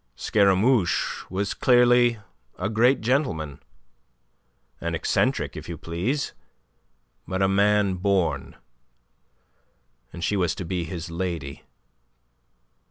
Scaramouche was clearly a great gentleman, an eccentric if you please, but a man born. And she was to be his lady.